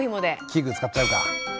器具使っちゃうか。